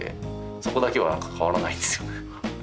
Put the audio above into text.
そこだけは何か変わらないんですよね。